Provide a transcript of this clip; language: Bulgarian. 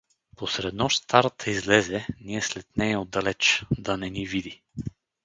Посред нощ старата излезе, ние след нея отдалеч — да не ни види.